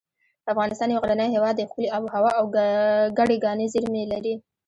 افغانستان یو غرنی هیواد دی ښکلي اب هوا او ګڼې کاني زیر مې لري